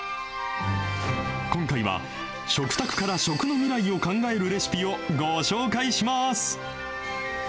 今回は、食卓から食の未来を考えるレシピをご紹介します。